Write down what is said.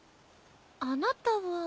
あなたは。